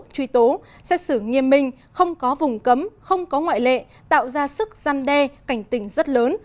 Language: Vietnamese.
truy tố xét xử nghiêm minh không có vùng cấm không có ngoại lệ tạo ra sức gian đe cảnh tình rất lớn